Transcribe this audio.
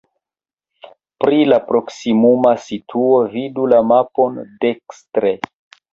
Pri la proksimuma situo vidu la mapon dekstre.